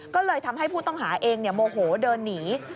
ก็เลยทำให้ผู้ต้องหาเองโมโหเดินหนี